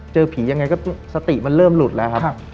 เจอผียังไงก็สติมันเริ่มหลุดแล้วครับ